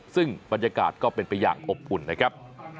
ซึ่งบรรยากาศก็เป็นไปอย่างอบอุ่นนะครับ